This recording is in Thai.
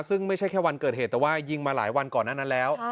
ซึ่งไม่ใช่แค่วันเกิดเหตุแต่ว่ายิงมาหลายวันก่อนหน้านั้นแล้ว